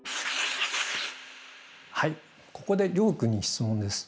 はいここで諒君に質問です。